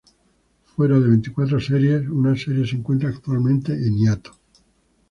Fuera de veinticuatro series, una serie se encuentra actualmente en hiato.